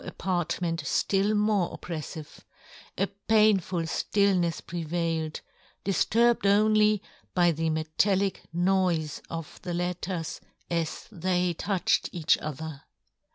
31 apartment ftill more oppreffive ; a painful ftillnefs prevailed, difturbed only by the metallic noife of the letters as they touched each other.